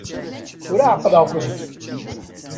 Tura ɛeqleɣ-kent!